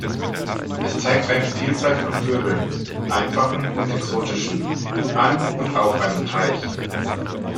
Es zeigt eine Vielzahl von Vögeln, einfachen und exotischen, an und auf einem Teich.